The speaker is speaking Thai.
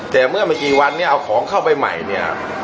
แต่เมื่อไม่กี่วันเนี่ยเอาของเข้าไปใหม่เนี่ย